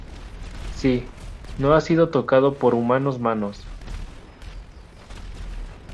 Sí, no ha sido tocado por humanos manos.